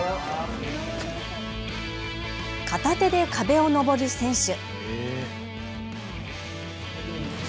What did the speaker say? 片手で壁を登る選手。